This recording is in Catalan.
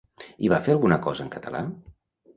I va fer alguna cosa en català?